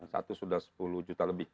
satu sudah sepuluh juta lebih